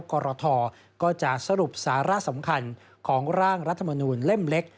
กรทก็จะสรุปสาระสำคัญของร่างรัฐมนูลเล่มเล็ก